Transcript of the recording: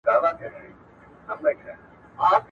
کتاب د ماشوم د پوهې لپاره ملګری دی.